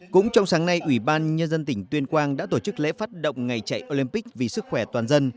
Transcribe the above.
cũng trong sáng nay ủy ban nhân dân tỉnh tuyên quang đã tổ chức lễ phát động ngày chạy olympic vì sức khỏe toàn dân